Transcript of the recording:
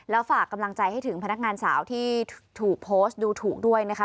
แล้วฝากกำลังใจให้ถึงพนักงานสาวที่ถูกโพสต์ดูถูกด้วยนะคะ